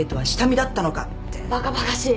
バカバカしい。